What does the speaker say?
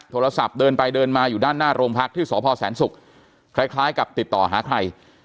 โทรศัพท์เดินไปเดินมาอยู่ด้านหน้าโรงพักที่สพแสนศุกร์คล้ายกับติดต่อหาใคร